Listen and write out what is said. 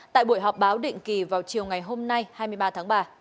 tại buổi họp báo định kỳ vào chiều ngày hôm nay hai mươi ba tháng ba